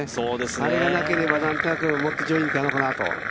あれがなければなんとなくもっと上位にいたのかなと。